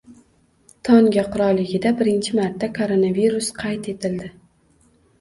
Tonga Qirolligida birinchi marta koronavirus qayd etildi